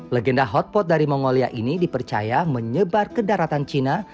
legenda hotpot dari mongolia ini dipercaya menyebar ke daratan cina